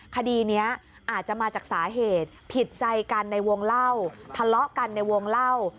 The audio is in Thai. คดีนี้อาจจะมาจากสาเหตุผิดใจกันในวงเล่าทะเลาะกันในวงเล่า